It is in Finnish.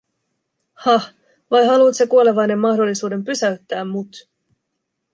"hah, vai haluut sä kuolevainen mahdollisuuden pysäyttää mut?